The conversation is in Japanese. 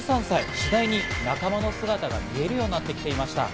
次第に仲間の姿が見えるようになってきていました。